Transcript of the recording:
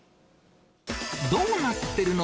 どうなってるの？